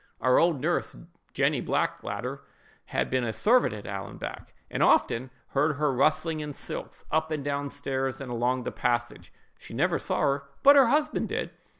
Our old nurse, Jenny Blackadder, had been a servant at Allanbank, and often heard her rustling in silks up and down stairs, and along the passage. She never saw her—but her husband did.